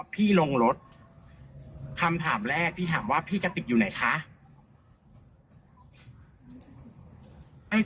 พี่ลงรถคำถามแรกพี่ถามว่าพี่กะติกอยู่ไหนคะ